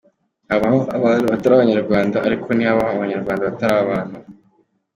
Habaho abantu batari abanyarwanda, ariko ntihabaho abanyarwanda batari abantu.